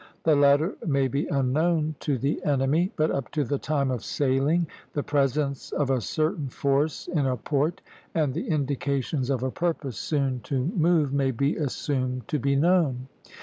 The latter may be unknown to the enemy; but up to the time of sailing, the presence of a certain force in a port, and the indications of a purpose soon to move, may be assumed to be known.